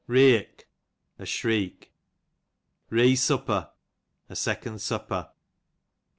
Reeok, a shriek. Reesujiper, a second auppes.